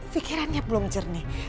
fikirannya belum jernih